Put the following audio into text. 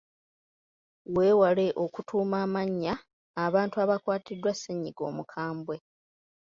Weewale okutuuma amannya abantu abakwatiddwa ssennyiga omukambwe.